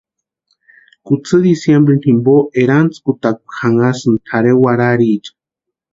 Kutsï diciembrini jimpo erantskutakwa janhasïni tʼarhe warhariecha.